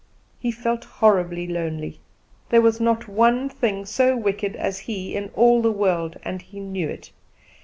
He felt horribly lonely. There was not one thing so wicked as he in all the world, and he knew it.